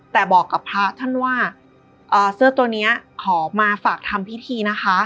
แต่บอกกับพระท่านว่าเสื้อตัวนี้ขอมาฝากทำพิธีนะคะ